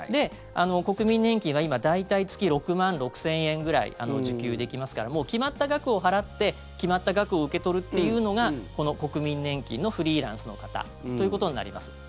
国民年金が今大体月６万６０００円くらい受給できますからもう決まった額を払って決まった額を受け取るというのがこの国民年金のフリーランスの方ということになります。